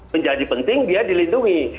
menjadi penting dia dilindungi